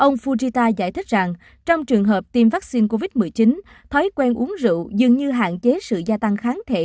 ông fujita giải thích rằng trong trường hợp tiêm vaccine covid một mươi chín thói quen uống rượu dường như hạn chế sự gia tăng kháng thể